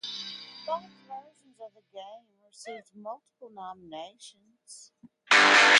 Both versions of the game received multiple nominations.